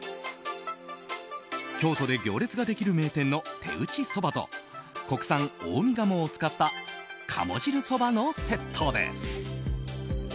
京都で行列ができる名店の手打ちそばと国産近江鴨を使った鴨汁そばのセットです。